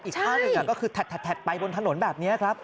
อีกข้างหนึ่งก็คือแถดไปบนถนนแบบนี้ครับ